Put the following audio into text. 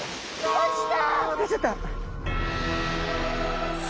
落ちた。